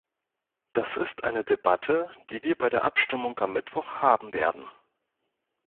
Das ist eine Debatte, die wir bei der Abstimmung am Mittwoch haben werden.